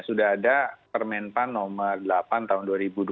sudah ada permenpan nomor delapan tahun dua ribu dua puluh satu